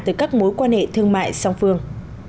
từ các mối quan hệ thương mại song phương